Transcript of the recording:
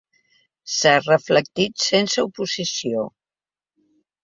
S'ha reflectit sense oposició.